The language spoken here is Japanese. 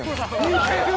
似てる！